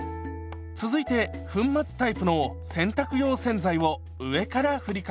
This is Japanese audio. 続いて粉末タイプの洗濯用洗剤を上からふりかけます。